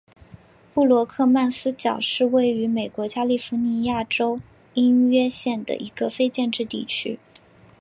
布罗克曼斯角是位于美国加利福尼亚州因约县的一个非建制地区。